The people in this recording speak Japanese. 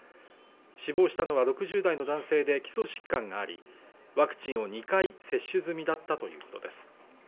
死亡したのは６０代の男性で基礎疾患がありワクチンを２回接種済みだったということです